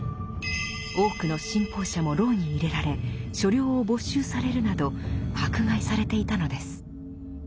多くの信奉者も牢に入れられ所領を没収されるなど迫害されていたのです。